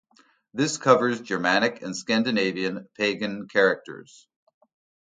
This covers Germanic and Scandinavian pagan characters.